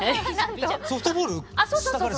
ソフトボール下から。